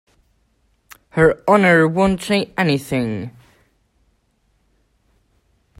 Her Honor won't say anything.